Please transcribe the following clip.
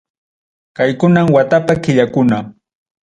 Kaykunam watapa killakuna.